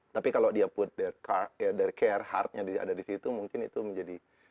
tapi kalau dia put dari care hardnya ada di situ mungkin itu menjadi